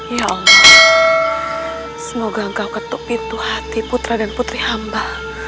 ya allah semoga engkau ketuk pintu hati putra dan putri hamba